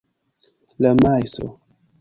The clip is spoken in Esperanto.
la Majstro